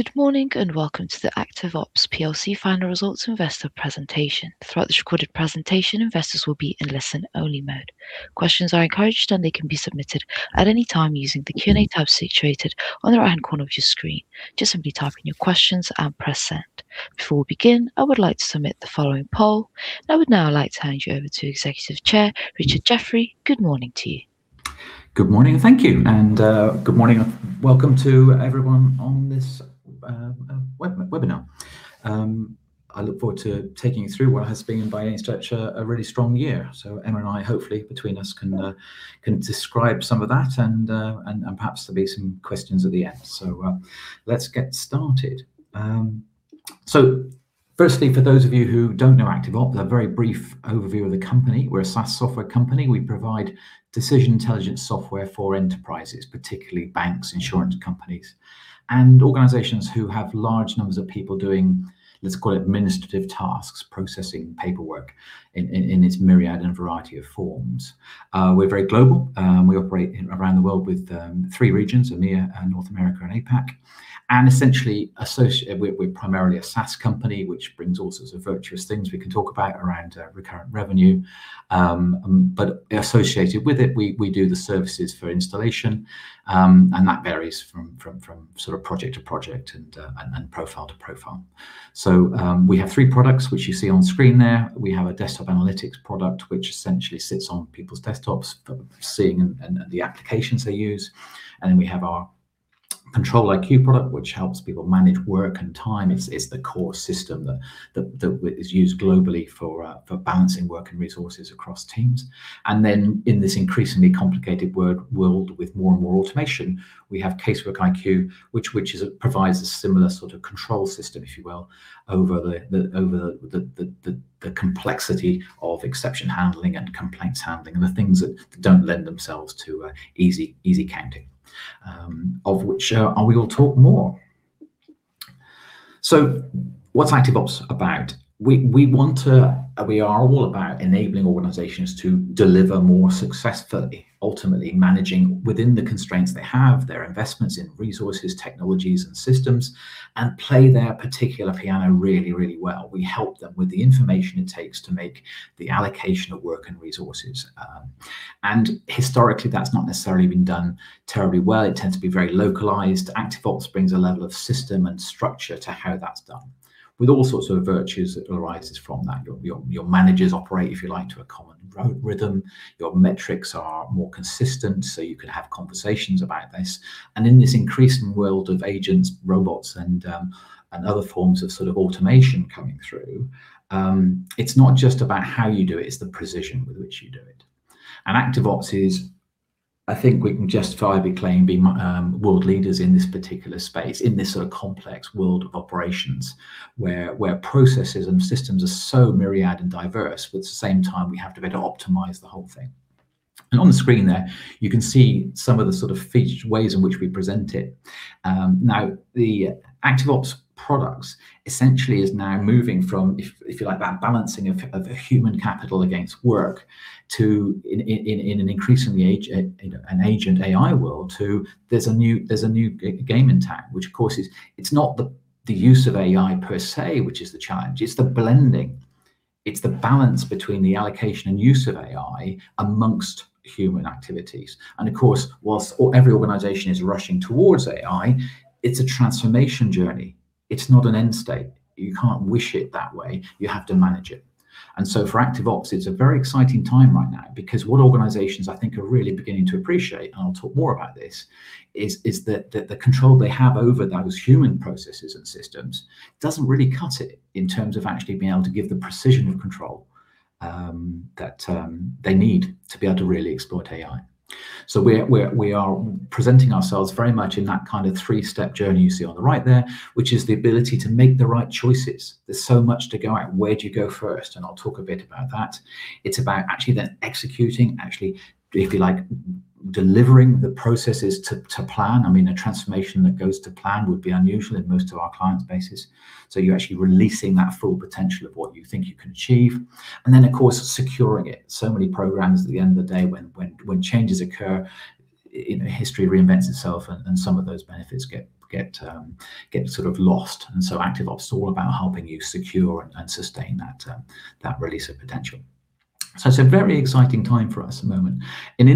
Good morning, and welcome to the ActiveOps PLC Final Results Investor Presentation. Throughout this recorded presentation, investors will be in listen-only mode. Questions are encouraged, and they can be submitted at any time using the Q&A tab situated on the right-hand corner of your screen. Just simply type in your questions and press send. Before we begin, I would like to submit the following poll. I would now like to hand you over to Executive Chair, Richard Jeffery. Good morning to you. Good morning, and thank you. Good morning. Welcome to everyone on this webinar. I look forward to taking you through what has been, by any stretch, a really strong year. Emma and I, hopefully, between us, can describe some of that, and perhaps there'll be some questions at the end. Let's get started. Firstly, for those of you who don't know ActiveOps, a very brief overview of the company. We're a SaaS software company. We provide decision intelligence software for enterprises, particularly banks, insurance companies, and organizations who have large numbers of people doing, let's call it, administrative tasks, processing paperwork in its myriad and variety of forms. We're very global. We operate around the world with three regions, EMEA, North America, and APAC. Essentially, we're primarily a SaaS company, which brings all sorts of virtuous things we can talk about around recurrent revenue. Associated with it, we do the services for installation, and that varies from project to project and profile to profile. We have three products, which you see on screen there. We have a desktop analytics product, which essentially sits on people's desktops, seeing and the applications they use. Then we have our ControliQ product, which helps people manage work and time. It's the core system that is used globally for balancing work and resources across teams. Then in this increasingly complicated world with more and more automation, we have CaseworkiQ, which provides a similar sort of control system, if you will, over the complexity of exception handling and complaints handling, and the things that don't lend themselves to easy counting, of which I will talk more. What's ActiveOps about? We are all about enabling organizations to deliver more successfully, ultimately managing within the constraints they have, their investments in resources, technologies, and systems, and play their particular piano really, really well. We help them with the information it takes to make the allocation of work and resources. Historically, that's not necessarily been done terribly well. It tends to be very localized. ActiveOps brings a level of system and structure to how that's done with all sorts of virtues that arises from that. Your managers operate, if you like, to a common rhythm. Your metrics are more consistent, so you can have conversations about this. In this increasing world of agents, robots, and other forms of automation coming through, it's not just about how you do it's the precision with which you do it. ActiveOps is, I think we can justifiably claim, world leaders in this particular space, in this complex world of operations where processes and systems are so myriad and diverse, at the same time, we have to be able to optimize the whole thing. On the screen there, you can see some of the featured ways in which we present it. The ActiveOps products essentially is now moving from, if you like, that balancing of human capital against work in an increasingly agent AI world to there's a new game in town, which, of course, it's not the use of AI per se, which is the challenge. It's the blending. It's the balance between the allocation and use of AI amongst human activities. Of course, whilst every organization is rushing towards AI, it's a transformation journey. It's not an end state. You can't wish it that way. You have to manage it. For ActiveOps, it's a very exciting time right now because what organizations I think are really beginning to appreciate, and I'll talk more about this, is that the control they have over those human processes and systems doesn't really cut it in terms of actually being able to give the precision of control that they need to be able to really exploit AI. We are presenting ourselves very much in that kind of three-step journey you see on the right there, which is the ability to make the right choices. There's so much to go at. Where do you go first? I'll talk a bit about that. It's about actually then executing, actually, if you like, delivering the processes to plan. A transformation that goes to plan would be unusual in most of our client bases. You're actually releasing that full potential of what you think you can achieve. Then, of course, securing it. Many programs at the end of the day when changes occur, history reinvents itself and some of those benefits get sort of lost. ActiveOps is all about helping you secure and sustain that release of potential. It's a very exciting time for us at the moment. In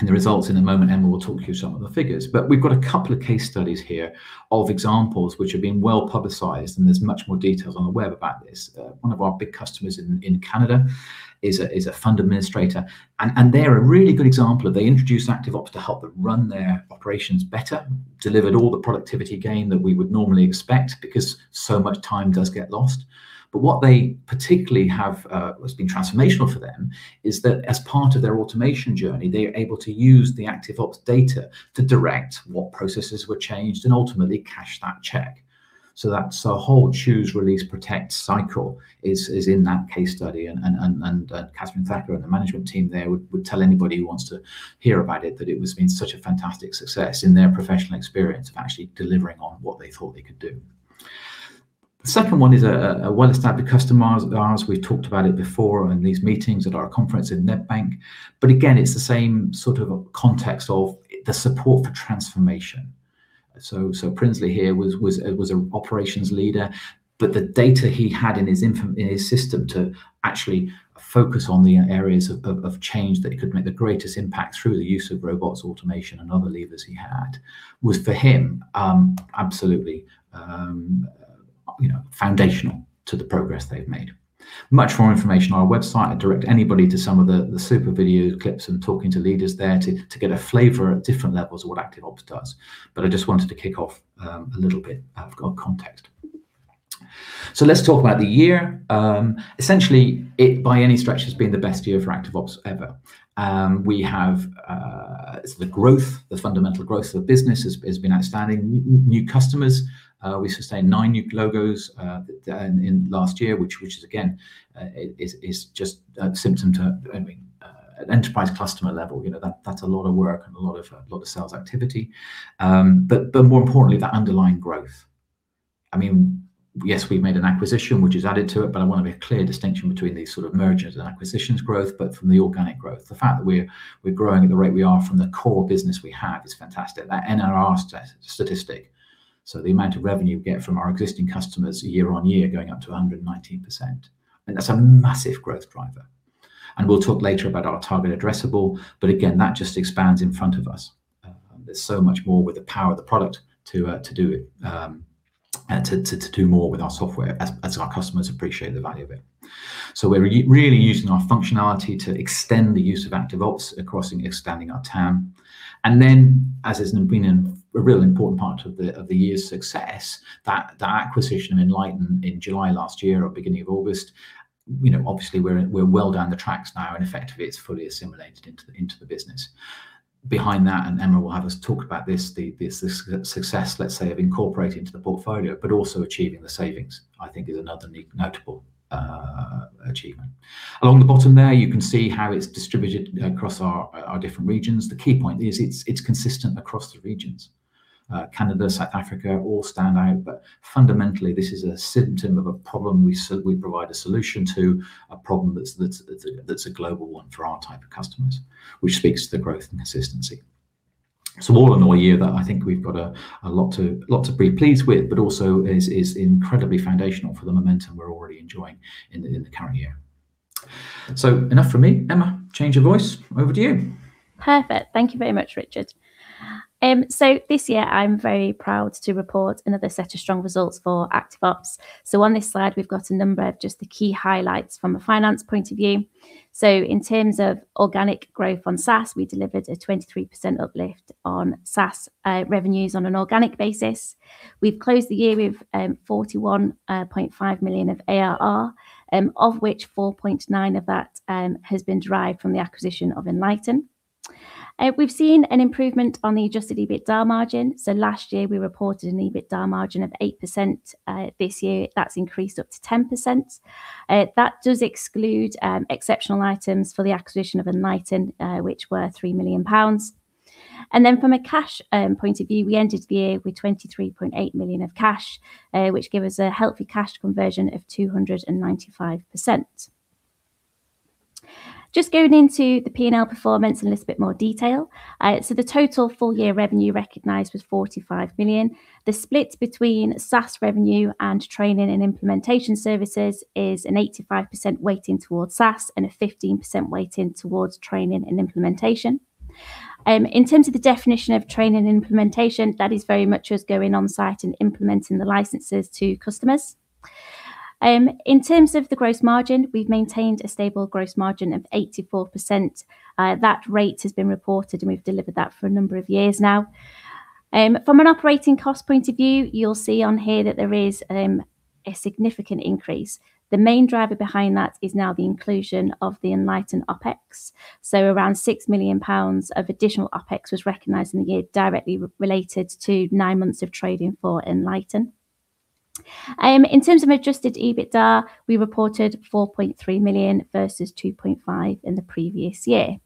the results in a moment, Emma will talk you through some of the figures. We've got a couple of case studies here of examples which have been well-publicized, and there's much more details on the web about this. One of our big customers in Canada is a fund administrator, they're a really good example of they introduced ActiveOps to help them run their operations better, delivered all the productivity gain that we would normally expect because so much time does get lost. What particularly has been transformational for them is that as part of their automation journey, they are able to use the ActiveOps data to direct what processes were changed and ultimately cash that check. That whole choose, release, protect cycle is in that case study, Catherine Thacker and the management team there would tell anybody who wants to hear about it that it has been such a fantastic success in their professional experience of actually delivering on what they thought they could do. The second one is a well-established customer of ours. We've talked about it before in these meetings at our conference in Nedbank. Again, it's the same sort of context of the support for transformation. Prinsley here was an operations leader, but the data he had in his system to actually focus on the areas of change that he could make the greatest impact through the use of robots, automation, and other levers he had was for him, absolutely foundational to the progress they've made. Much more information on our website. I'd direct anybody to some of the super video clips and talking to leaders there to get a flavor at different levels of what ActiveOps does. I just wanted to kick off a little bit of context. Let's talk about the year. Essentially, by any stretch, it's been the best year for ActiveOps ever. The growth, the fundamental growth of the business has been outstanding. New customers, we sustained nine new logos in last year, which is again, is just a symptom. An enterprise customer level, that's a lot of work and a lot of sales activity. More importantly, that underlying growth. Yes, we've made an acquisition, which has added to it, but I want to make a clear distinction between these sort of mergers and acquisitions growth, but from the organic growth. The fact that we're growing at the rate we are from the core business we have is fantastic. That NRR statistic, so the amount of revenue we get from our existing customers year on year going up to 119%, and that's a massive growth driver. We'll talk later about our target addressable, but again, that just expands in front of us. There's so much more with the power of the product to do it and to do more with our software as our customers appreciate the value of it. We're really using our functionality to extend the use of ActiveOps across extending our TAM. Then as has been a real important part of the year's success, that acquisition of Enlighten in July last year or beginning of August, obviously we're well down the tracks now, and effectively it's fully assimilated into the business. Behind that, and Emma will have us talk about this, the success, let's say, of incorporating into the portfolio, but also achieving the savings, I think is another notable achievement. Along the bottom there, you can see how it's distributed across our different regions. The key point is it's consistent across the regions. Canada, South Africa, all stand out, fundamentally, this is a symptom of a problem we provide a solution to, a problem that's a global one for our type of customers, which speaks to the growth and consistency. All in all, a year that I think we've got a lot to be pleased with, but also is incredibly foundational for the momentum we're already enjoying in the current year. Enough from me. Emma, change of voice. Over to you. Perfect. Thank you very much, Richard. This year I'm very proud to report another set of strong results for ActiveOps. On this slide, we've got a number of just the key highlights from a finance point of view. In terms of organic growth on SaaS, we delivered a 23% uplift on SaaS revenues on an organic basis. We've closed the year with 41.5 million of ARR, of which 4.9 million of that has been derived from the acquisition of Enlighten. We've seen an improvement on the adjusted EBITDA margin. Last year we reported an EBITDA margin of 8%. This year that's increased up to 10%. That does exclude exceptional items for the acquisition of Enlighten, which were 3 million pounds. From a cash point of view, we ended the year with 23.8 million of cash, which gave us a healthy cash conversion of 295%. Just going into the P&L performance in a little bit more detail. The total full year revenue recognized was 45 million. The split between SaaS revenue and training and implementation services is an 85% weighting towards SaaS and a 15% weighting towards training and implementation. In terms of the definition of training and implementation, that is very much us going on site and implementing the licenses to customers. In terms of the gross margin, we've maintained a stable gross margin of 84%. That rate has been reported, and we've delivered that for a number of years now. From an operating cost point of view, you'll see on here that there is a significant increase. The main driver behind that is now the inclusion of the Enlighten OpEx. Around 6 million pounds of additional OpEx was recognized in the year directly related to nine months of trading for Enlighten. In terms of adjusted EBITDA, we reported 4.3 million versus 2.5 million in the previous year.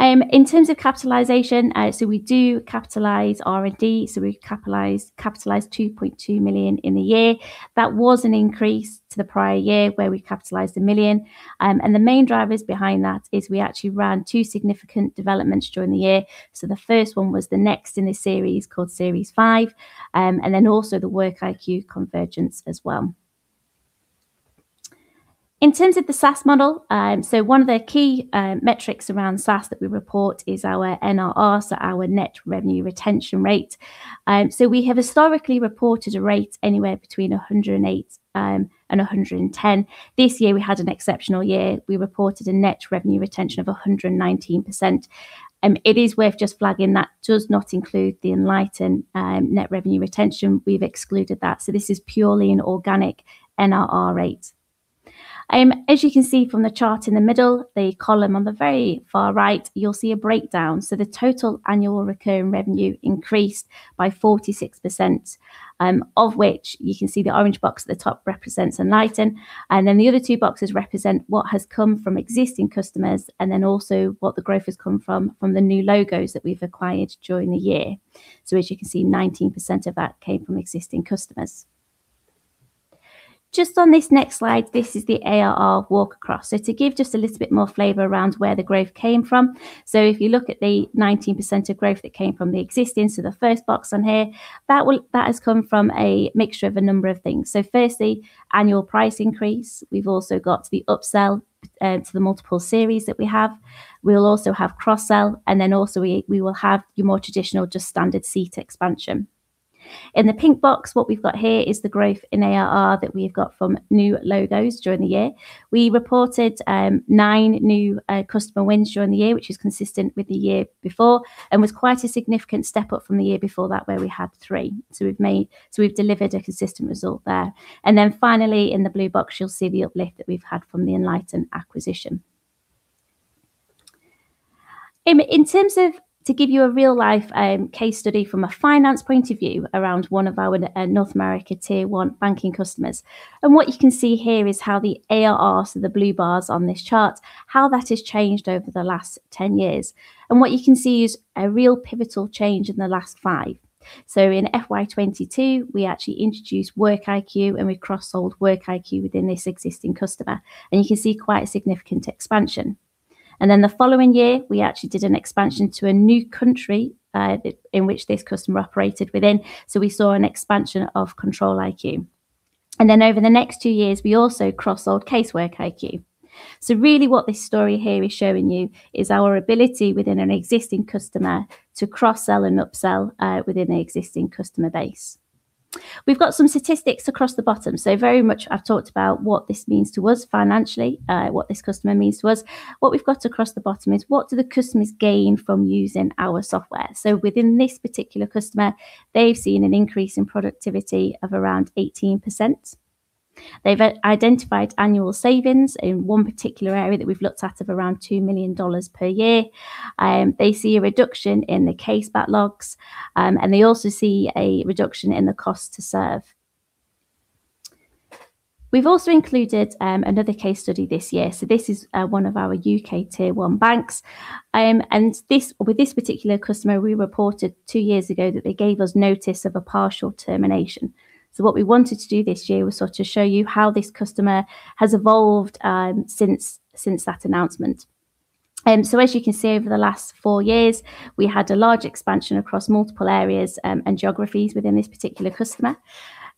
In terms of capitalization, so we do capitalize R&D, so we capitalize 2.2 million in the year. That was an increase to the prior year where we capitalized 1 million. The main drivers behind that is we actually ran two significant developments during the year. The first one was the next in the series called Series 5, and also the WorkiQ convergence as well. In terms of the SaaS model, so one of the key metrics around SaaS that we report is our NRR, so our net revenue retention rate. We have historically reported a rate anywhere between 108%-110%. This year we had an exceptional year. We reported a net revenue retention of 119%. It is worth just flagging that does not include the Enlighten net revenue retention. We've excluded that. This is purely an organic NRR rate. As you can see from the chart in the middle, the column on the very far right, you'll see a breakdown. The total annual recurring revenue increased by 46%, of which you can see the orange box at the top represents Enlighten, the other two boxes represent what has come from existing customers and what the growth has come from the new logos that we've acquired during the year. As you can see, 19% of that came from existing customers. Just on this next slide, this is the ARR walk across. To give just a little bit more flavor around where the growth came from. If you look at the 19% of growth that came from the existing, the first box on here, that has come from a mixture of a number of things. Firstly, annual price increase. We've also got the upsell to the multiple series that we have. We'll also have cross-sell, we will have your more traditional, just standard seat expansion. In the pink box, what we've got here is the growth in ARR that we've got from new logos during the year. We reported nine new customer wins during the year, which is consistent with the year before, and was quite a significant step up from the year before that where we had three. We've delivered a consistent result there. Finally, in the blue box, you'll see the uplift that we've had from the Enlighten acquisition. In terms of to give you a real-life case study from a finance point of view around one of our North America Tier 1 banking customers. What you can see here is how the ARR, the blue bars on this chart, how that has changed over the last 10 years. What you can see is a real pivotal change in the last five. In FY 2022, we actually introduced WorkiQ, and we cross-sold WorkiQ within this existing customer, and you can see quite a significant expansion. The following year, we actually did an expansion to a new country in which this customer operated within. We saw an expansion of ControliQ. Over the next two years, we also cross-sold CaseworkiQ. Really what this story here is showing you is our ability within an existing customer to cross-sell and upsell within the existing customer base. We've got some statistics across the bottom. Very much I've talked about what this means to us financially, what this customer means to us. What we've got across the bottom is what do the customers gain from using our software. Within this particular customer, they've seen an increase in productivity of around 18%. They've identified annual savings in one particular area that we've looked at of around GBP 2 million per year. They see a reduction in the case backlogs, and they also see a reduction in the cost to serve. We've also included another case study this year. This is one of our U.K. Tier 1 banks. With this particular customer, we reported two years ago that they gave us notice of a partial termination. What we wanted to do this year was sort of show you how this customer has evolved since that announcement. As you can see, over the last four years, we had a large expansion across multiple areas and geographies within this particular customer.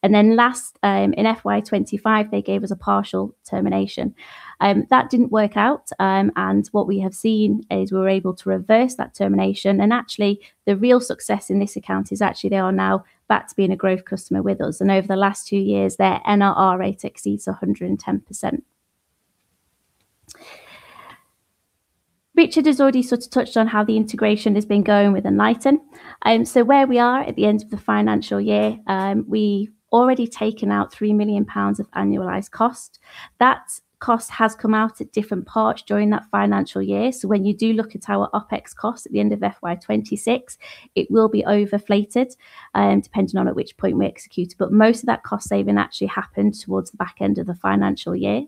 Last, in FY 2025, they gave us a partial termination. That didn't work out, and what we have seen is we're able to reverse that termination, and actually the real success in this account is actually they are now back to being a growth customer with us. Over the last two years, their NRR rate exceeds 110%. Richard has already sort of touched on how the integration has been going with Enlighten. Where we are at the end of the financial year, we already taken out 3 million pounds of annualized cost. That cost has come out at different parts during that financial year. When you do look at our OpEx cost at the end of FY 2026, it will be overinflated, depending on at which point we execute. Most of that cost saving actually happened towards the back end of the financial year.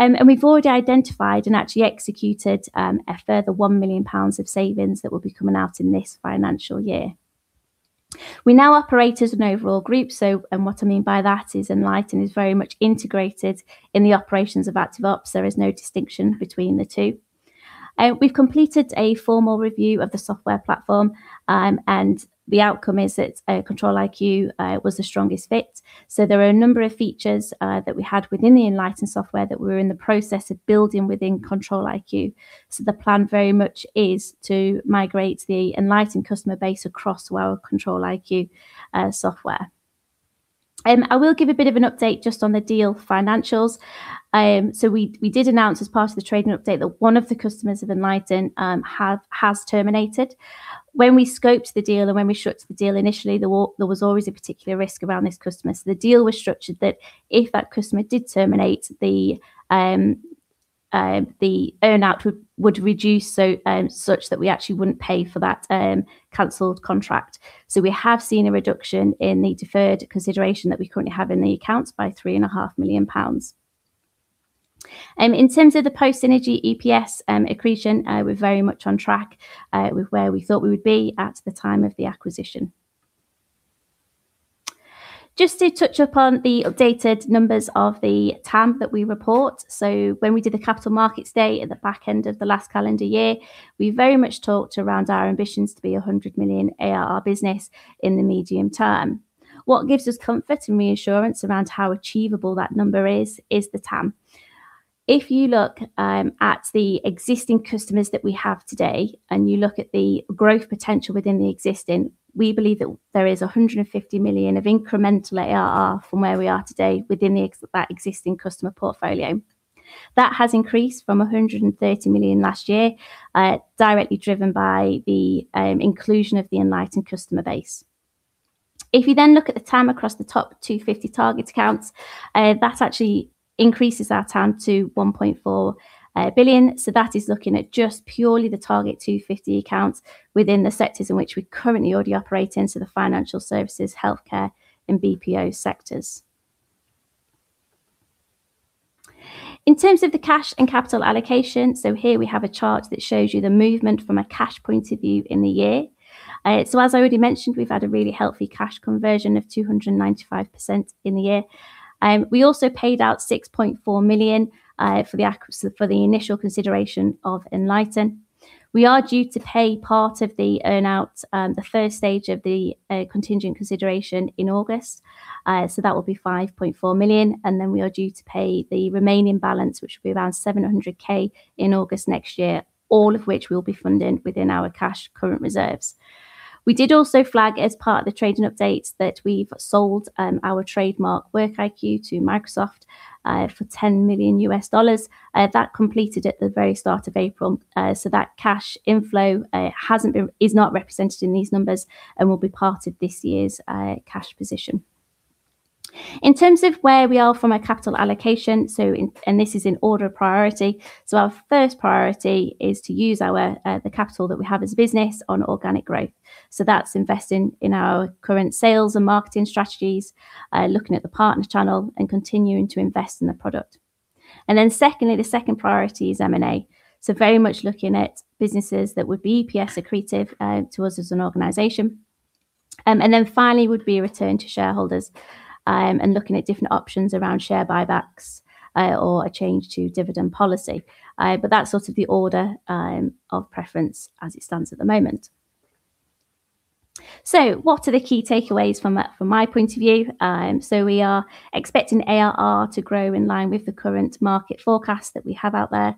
We've already identified and actually executed a further 1 million pounds of savings that will be coming out in this financial year. We now operate as an overall group, and what I mean by that is Enlighten is very much integrated in the operations of ActiveOps. There is no distinction between the two. We've completed a formal review of the software platform, and the outcome is that ControliQ was the strongest fit. There are a number of features that we had within the Enlighten software that we're in the process of building within ControliQ. The plan very much is to migrate the Enlighten customer base across our ControliQ software. I will give a bit of an update just on the deal financials. We did announce as part of the trading update that one of the customers of Enlighten has terminated. When we scoped the deal and when we shut the deal initially, there was always a particular risk around this customer. The deal was structured that if that customer did terminate, the earn-out would reduce such that we actually wouldn't pay for that canceled contract. We have seen a reduction in the deferred consideration that we currently have in the accounts by 3.5 million pounds. In terms of the post synergy EPS accretion, we're very much on track with where we thought we would be at the time of the acquisition. Just to touch upon the updated numbers of the TAM that we report. When we did the Capital Markets Day at the back end of the last calendar year, we very much talked around our ambitions to be 100 million ARR business in the medium term. What gives us comfort and reassurance around how achievable that number is the TAM. If you look at the existing customers that we have today, and you look at the growth potential within the existing, we believe that there is 150 million of incremental ARR from where we are today within that existing customer portfolio. That has increased from 130 million last year, directly driven by the inclusion of the Enlighten customer base. If you then look at the TAM across the top 250 targets accounts, that actually increases our TAM to 1.4 billion. That is looking at just purely the target 250 accounts within the sectors in which we currently already operate in, so the financial services, healthcare, and BPO sectors. In terms of the cash and capital allocation, here we have a chart that shows you the movement from a cash point of view in the year. As I already mentioned, we've had a really healthy cash conversion of 295% in the year. We also paid out 6.4 million for the initial consideration of Enlighten. We are due to pay part of the earn-out, the first stage of the contingent consideration in August. That will be 5.4 million, and then we are due to pay the remaining balance, which will be around 700,000 in August next year, all of which we will be funding within our cash current reserves. We did also flag as part of the trading update that we have sold our trademark WorkiQ to Microsoft for $10 million. That completed at the very start of April. That cash inflow is not represented in these numbers and will be part of this year's cash position. In terms of where we are from a capital allocation, this is in order of priority. Our first priority is to use the capital that we have as a business on organic growth. That is investing in our current sales and marketing strategies, looking at the partner channel and continuing to invest in the product. Secondly, the second priority is M&A. Very much looking at businesses that would be EPS accretive to us as an organization. Finally would be return to shareholders, and looking at different options around share buybacks or a change to dividend policy. But that is sort of the order of preference as it stands at the moment. What are the key takeaways from my point of view? We are expecting ARR to grow in line with the current market forecast that we have out there.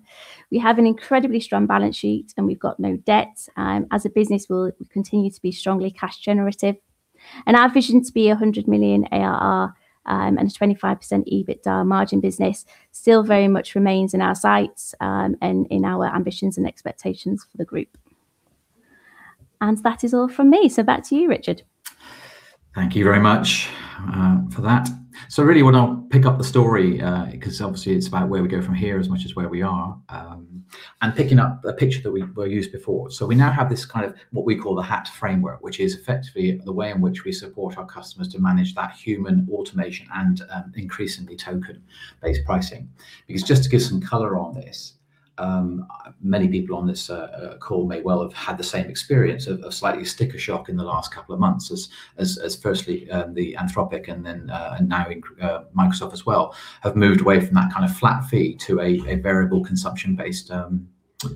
We have an incredibly strong balance sheet, and we have got no debt. As a business, we will continue to be strongly cash generative, and our vision to be 100 million ARR and a 25% EBITDA margin business still very much remains in our sights, and in our ambitions and expectations for the group. That is all from me. Back to you, Richard. Thank you very much for that. I really want to pick up the story, because obviously it is about where we go from here as much as where we are, and picking up a picture that we used before. We now have this kind of what we call the HAT framework, which is effectively the way in which we support our customers to manage that human automation and increasingly token-based pricing. Because just to give some color on this, many people on this call may well have had the same experience of a slightly sticker shock in the last couple of months as firstly, the Anthropic and now Microsoft as well, have moved away from that kind of flat fee to a variable consumption-based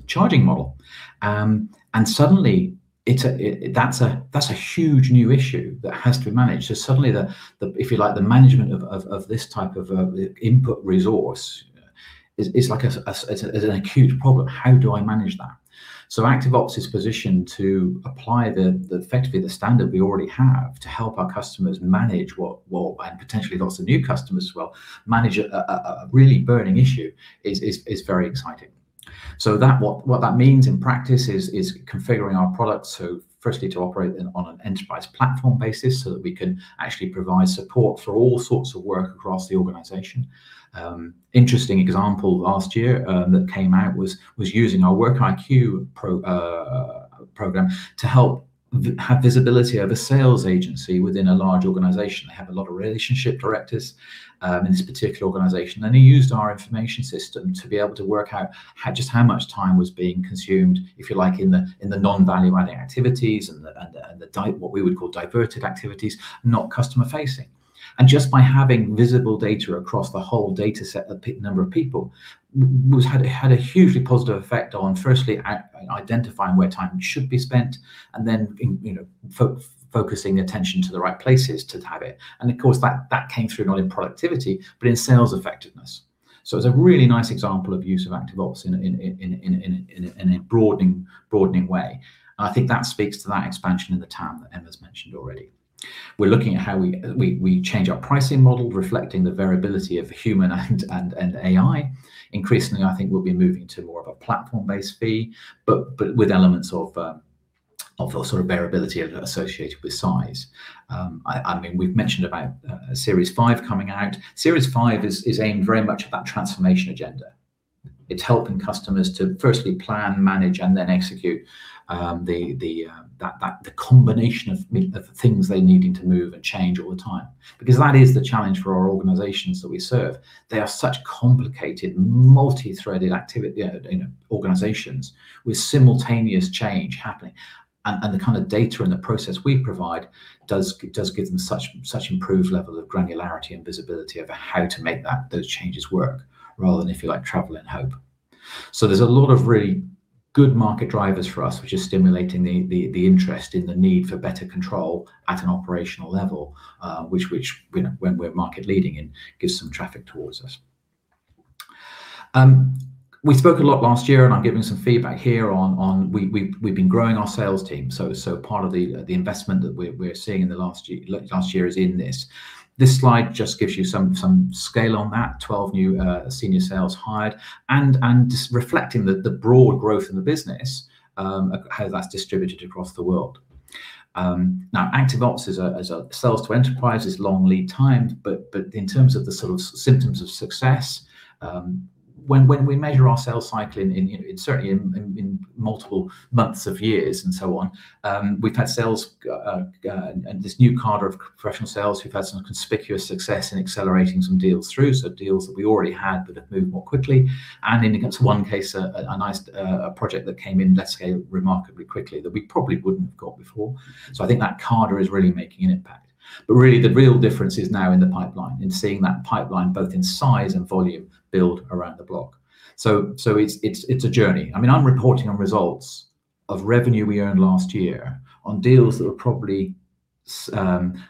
charging model. And suddenly that is a huge new issue that has to be managed. Suddenly, if you like, the management of this type of input resource is an acute problem. How do I manage that? ActiveOps is positioned to apply effectively the standard we already have to help our customers manage what, and potentially lots of new customers will manage a really burning issue is very exciting. What that means in practice is configuring our product, firstly, to operate on an enterprise platform basis so that we can actually provide support for all sorts of work across the organization. Interesting example last year that came out was using our WorkiQ program to help have visibility over sales agency within a large organization. They have a lot of relationship directors in this particular organization, they used our information system to be able to work out just how much time was being consumed, if you like, in the non-value-adding activities and what we would call diverted activities, not customer facing. Just by having visible data across the whole data set, the number of people, had a hugely positive effect on firstly identifying where time should be spent and then focusing attention to the right places to have it. Of course, that came through not in productivity, but in sales effectiveness. It's a really nice example of use of ActiveOps in a broadening way. I think that speaks to that expansion in the TAM that Emma's mentioned already. We're looking at how we change our pricing model, reflecting the variability of human and AI. Increasingly, I think we'll be moving to more of a platform-based fee, but with elements of variability associated with size. We've mentioned about Series 5 coming out. Series 5 is aimed very much at that transformation agenda. It's helping customers to firstly plan, manage, and then execute the combination of things they're needing to move and change all the time. That is the challenge for our organizations that we serve. They are such complicated, multi-threaded organizations with simultaneous change happening, and the kind of data and the process we provide does give them such improved level of granularity and visibility over how to make those changes work rather than if you like travel and hope. There's a lot of really good market drivers for us, which is stimulating the interest in the need for better control at an operational level, which when we're market leading in, gives some traffic towards us. We spoke a lot last year, and I'm giving some feedback here on we've been growing our sales team. Part of the investment that we're seeing in the last year is in this. This slide just gives you some scale on that, 12 new senior sales hired and just reflecting the broad growth in the business, how that's distributed across the world. ActiveOps as a sales to enterprise is long lead timed, but in terms of the sort of symptoms of success When we measure our sales cycle, certainly in multiple months of years and so on, we've had sales and this new cadre of professional sales who've had some conspicuous success in accelerating some deals through, deals that we already had but have moved more quickly. In one case, a project that came in that scaled remarkably quickly that we probably wouldn't have got before. I think that cadre is really making an impact. Really the real difference is now in the pipeline, in seeing that pipeline both in size and volume build around the block. It's a journey. I'm reporting on results of revenue we earned last year on deals that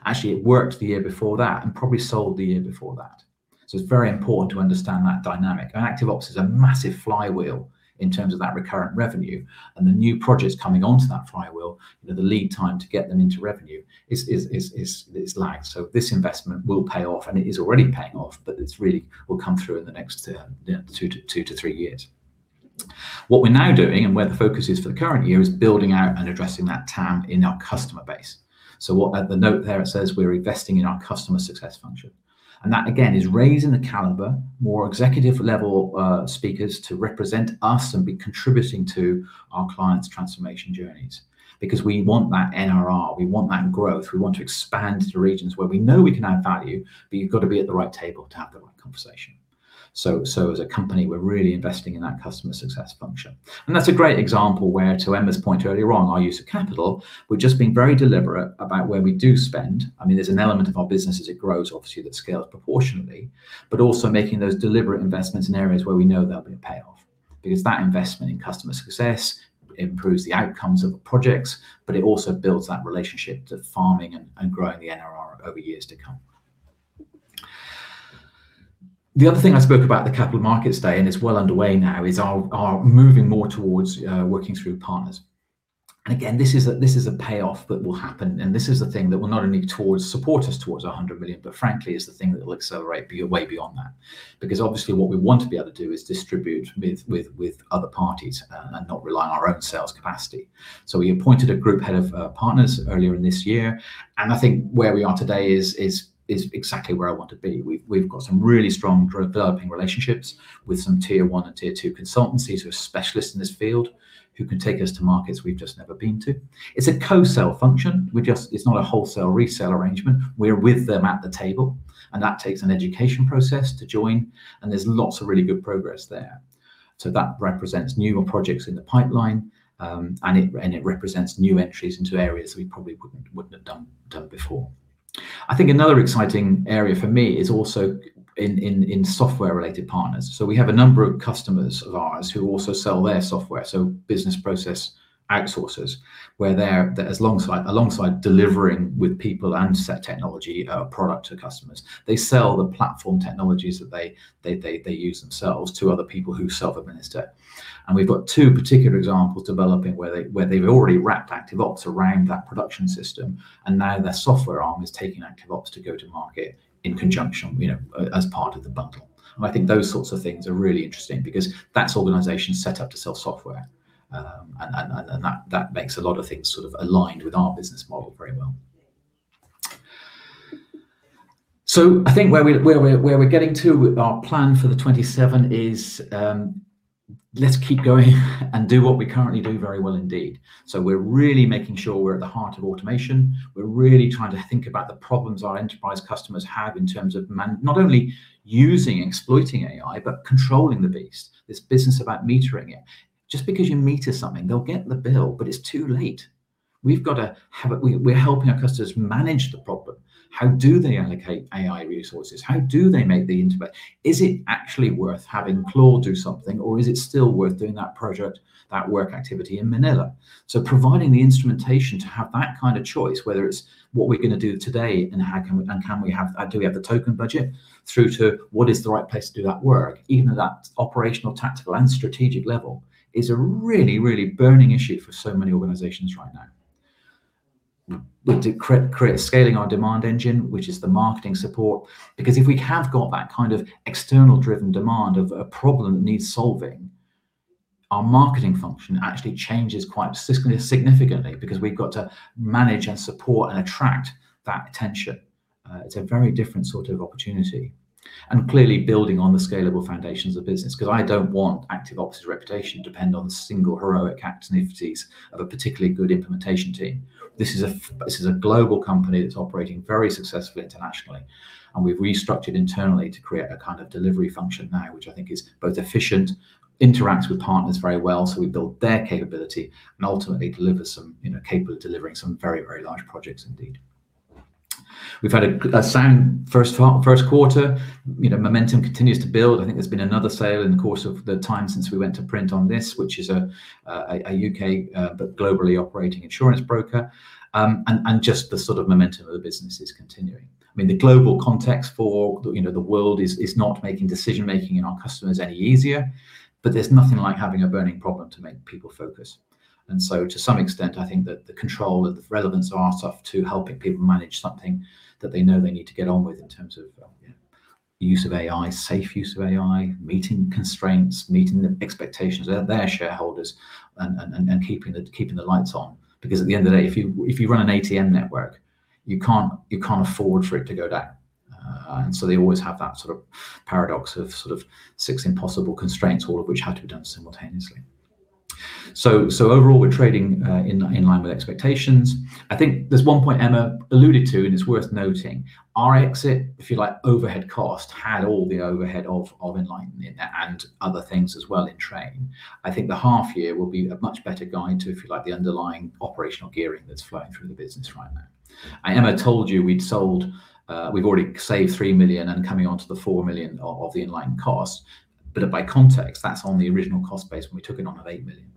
actually it worked the year before that and probably sold the year before that. It's very important to understand that dynamic. ActiveOps is a massive flywheel in terms of that recurrent revenue and the new projects coming onto that flywheel, the lead time to get them into revenue is lagged. This investment will pay off, and it is already paying off, but it really will come through in the next two to three years. What we're now doing and where the focus is for the current year is building out and addressing that TAM in our customer base. What at the note there it says we're investing in our customer success function. That again is raising the caliber, more executive level speakers to represent us and be contributing to our clients' transformation journeys. We want that NRR, we want that growth, we want to expand to regions where we know we can add value, but you've got to be at the right table to have the right conversation. As a company, we're really investing in that customer success function. That's a great example where, to Emma's point earlier on, our use of capital, we've just been very deliberate about where we do spend. There's an element of our business as it grows, obviously, that scales proportionately, but also making those deliberate investments in areas where we know there'll be a payoff. That investment in customer success improves the outcomes of projects, but it also builds that relationship to farming and growing the NRR over years to come. The other thing I spoke about at the Capital Markets Day, and it's well underway now, is our moving more towards working through partners. Again, this is a payoff that will happen, and this is the thing that will not only support us towards 100 million, but frankly, is the thing that will accelerate way beyond that. Obviously what we want to be able to do is distribute with other parties and not rely on our own sales capacity. We appointed a group head of partners earlier in this year, and I think where we are today is exactly where I want to be. We've got some really strong developing relationships with some Tier 1 and Tier 2 consultancies who are specialists in this field who can take us to markets we've just never been to. It's a co-sell function. It's not a wholesale-resale arrangement. We're with them at the table, that takes an education process to join, there's lots of really good progress there. That represents newer projects in the pipeline, it represents new entries into areas that we probably wouldn't have done before. I think another exciting area for me is also in software-related partners. We have a number of customers of ours who also sell their software, business process outsourcers, where they're, alongside delivering with people and set technology product to customers, they sell the platform technologies that they use themselves to other people who self-administer. We've got two particular examples developing where they've already wrapped ActiveOps around that production system, and now their software arm is taking ActiveOps to go to market in conjunction as part of the bundle. I think those sorts of things are really interesting because that's organizations set up to sell software, and that makes a lot of things sort of aligned with our business model very well. I think where we're getting to with our plan for the 2027 is let's keep going and do what we currently do very well indeed. We're really making sure we're at the heart of automation. We're really trying to think about the problems our enterprise customers have in terms of not only using and exploiting AI, but controlling the beast, this business about metering it. Just because you meter something, they'll get the bill, but it's too late. We're helping our customers manage the problem. How do they allocate AI resources? How do they make Is it actually worth having Claude do something, or is it still worth doing that project, that work activity in Manila? Providing the instrumentation to have that kind of choice, whether it's what we're going to do today and do we have the token budget, through to what is the right place to do that work, even at that operational, tactical, and strategic level, is a really, really burning issue for so many organizations right now. We're scaling our demand engine, which is the marketing support, because if we have got that kind of external-driven demand of a problem that needs solving, our marketing function actually changes quite significantly because we've got to manage and support and attract that attention. It's a very different sort of opportunity. Clearly building on the scalable foundations of the business, because I don't want ActiveOps' reputation to depend on the single heroic activities of a particularly good implementation team. This is a global company that's operating very successfully internationally, and we've restructured internally to create a kind of delivery function now, which I think is both efficient, interacts with partners very well, so we build their capability and ultimately capable of delivering some very, very large projects indeed. We've had a sound first quarter. Momentum continues to build. I think there's been another sale in the course of the time since we went to print on this, which is a U.K. but globally operating insurance broker, and just the sort of momentum of the business is continuing. The global context for the world is not making decision-making in our customers any easier, but there's nothing like having a burning problem to make people focus. To some extent, I think that the control and the relevance of our stuff to helping people manage something that they know they need to get on with in terms of safe use of AI, meeting constraints, meeting the expectations of their shareholders, and keeping the lights on. At the end of the day, if you run an ATM network. You can't afford for it to go down. They always have that sort of paradox of sort of six impossible constraints, all of which had to be done simultaneously. Overall, we're trading in line with expectations. I think there's one point Emma alluded to, and it's worth noting. Our exit, if you like, overhead cost had all the overhead of Enlighten in, and other things as well in train. I think the half year will be a much better guide to, if you like, the underlying operational gearing that's flowing through the business right now. Emma told you We've already saved 3 million and coming onto the 4 million of the Enlighten cost. By context, that's on the original cost base when we took it on of 8 million.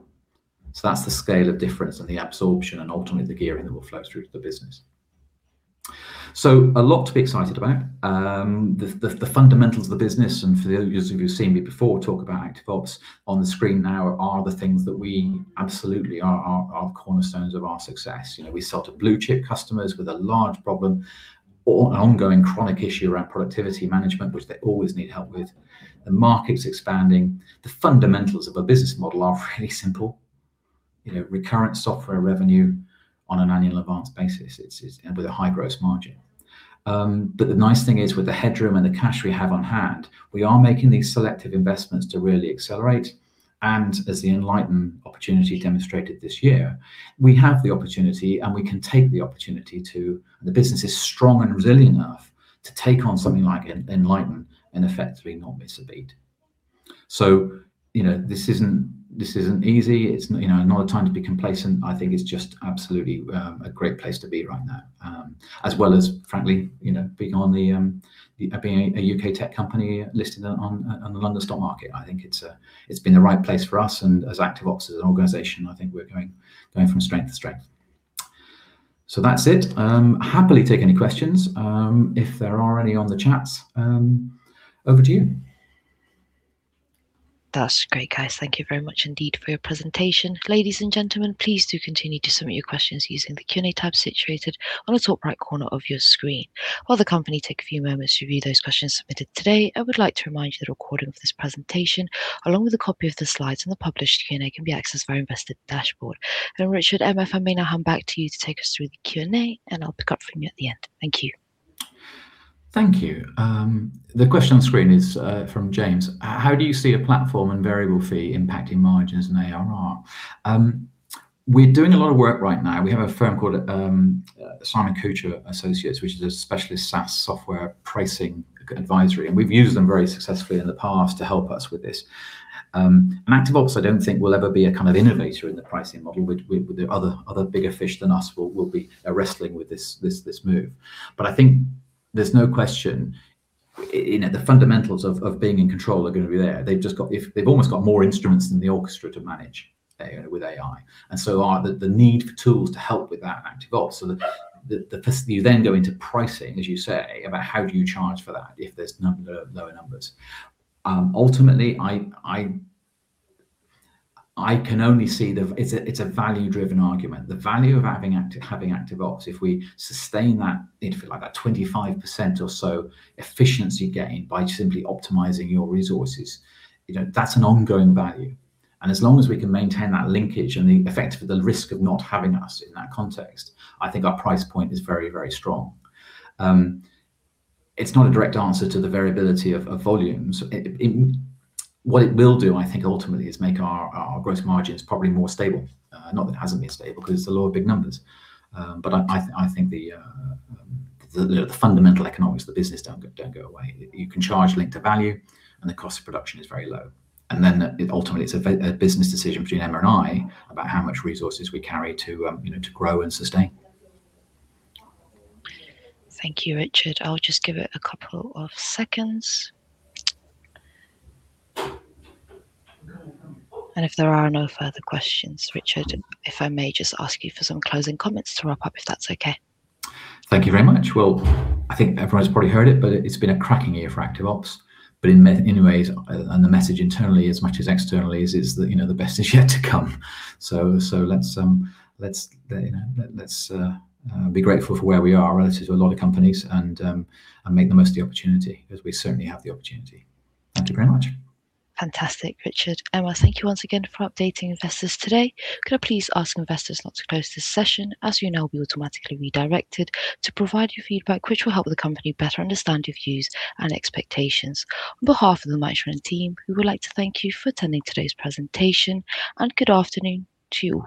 That's the scale of difference and the absorption and ultimately the gearing that will flow through to the business. A lot to be excited about. The fundamentals of the business, and for those of you who've seen me before talk about ActiveOps, on the screen now are the things that we absolutely are cornerstones of our success. We sell to blue-chip customers with a large problem or an ongoing chronic issue around productivity management, which they always need help with. The market's expanding. The fundamentals of a business model are really simple. Recurrent software revenue on an annual advance basis and with a high gross margin. The nice thing is with the headroom and the cash we have on hand, we are making these selective investments to really accelerate, and as the Enlighten opportunity demonstrated this year, we have the opportunity and we can take the opportunity. The business is strong and resilient enough to take on something like Enlighten and effectively not miss a beat. This isn't easy. It's not a time to be complacent. I think it's just absolutely a great place to be right now. As well as, frankly, being a U.K. tech company listed on the London Stock Market, I think it's been the right place for us, and as ActiveOps, as an organization, I think we're going from strength to strength. That's it. Happily take any questions, if there are any on the chats. Over to you. That's great, guys. Thank you very much indeed for your presentation. Ladies and gentlemen, please do continue to submit your questions using the Q&A tab situated on the top right corner of your screen. While the company take a few moments to view those questions submitted today, I would like to remind you that a recording of this presentation, along with a copy of the slides and the published Q&A, can be accessed via Investor Dashboard. Richard, Emma, if I may now hand back to you to take us through the Q&A, and I'll pick up from you at the end. Thank you. Thank you. The question on screen is from James. How do you see a platform and variable fee impacting margins and ARR? We're doing a lot of work right now. We have a firm called Simon-Kucher Associates, which is a specialist SaaS software pricing advisory, and we've used them very successfully in the past to help us with this. ActiveOps, I don't think will ever be a kind of innovator in the pricing model, there are other bigger fish than us will be wrestling with this move. I think there's no question, the fundamentals of being in control are going to be there. They've almost got more instruments than the orchestra to manage with AI. And so are the need for tools to help with that at ActiveOps. You then go into pricing, as you say, about how do you charge for that if there's lower numbers. Ultimately, I can only see that it's a value-driven argument. The value of having ActiveOps, if we sustain that, if you like, that 25% or so efficiency gain by simply optimizing your resources, that's an ongoing value. As long as we can maintain that linkage and the effect for the risk of not having us in that context, I think our price point is very strong. It's not a direct answer to the variability of volumes. What it will do, I think, ultimately is make our gross margins probably more stable. Not that it hasn't been stable because it's a lot of big numbers. I think the fundamental economics of the business don't go away. You can charge link to value, and the cost of production is very low. Ultimately, it's a business decision between Emma and I about how much resources we carry to grow and sustain. Thank you, Richard. I'll just give it a couple of seconds. If there are no further questions, Richard, if I may just ask you for some closing comments to wrap up, if that's okay. Thank you very much. I think everyone's probably heard it, but it's been a cracking year for ActiveOps. In many ways, and the message internally as much as externally is that the best is yet to come. Let's be grateful for where we are relative to a lot of companies and make the most of the opportunity as we certainly have the opportunity. Thank you very much. Fantastic, Richard. Emma, thank you once again for updating investors today. Could I please ask investors not to close this session, as you'll now be automatically redirected to provide your feedback which will help the company better understand your views and expectations. On behalf of the management team, we would like to thank you for attending today's presentation and good afternoon to you.